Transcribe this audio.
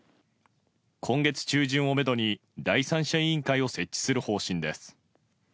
今月中旬をめどに第三者委員会を設置する方針です。